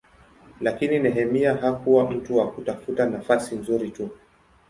Lakini Nehemia hakuwa mtu wa kutafuta nafasi nzuri tu.